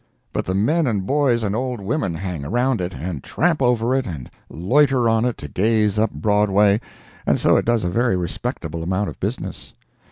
But the men and boys and old women hang around it, and tramp over it, and loiter on it to gaze up Broadway, and so it does a very respectable amount of business.